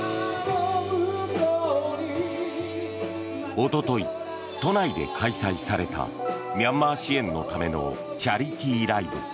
おととい、都内で開催されたミャンマー支援のためのチャリティーライブ。